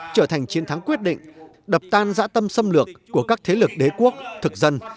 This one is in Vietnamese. trở thành chiến thắng quyết định đập tan dã tâm xâm lược của các thế lực đế quốc thực dân